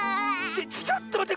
ちょっとまって！